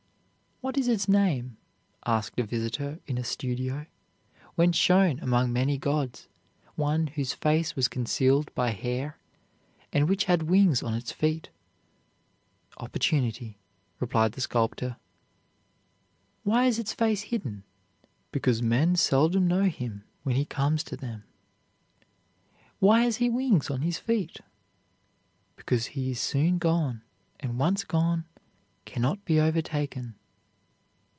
"What is its name?" asked a visitor in a studio, when shown, among many gods, one whose face was concealed by hair, and which had wings on its feet. "Opportunity," replied the sculptor. "Why is its face hidden?" "Because men seldom know him when he comes to them." "Why has he wings on his feet?" "Because he is soon gone, and once gone, cannot be overtaken."